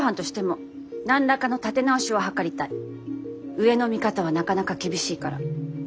上の見方はなかなか厳しいから。